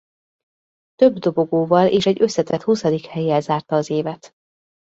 Több dobogóval és egy összetett huszadik hellyel zárta az évet.